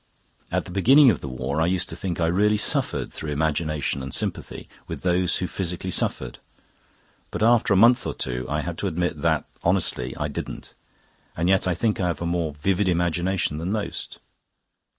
At the beginning of the war I used to think I really suffered, through imagination and sympathy, with those who physically suffered. But after a month or two I had to admit that, honestly, I didn't. And yet I think I have a more vivid imagination than most.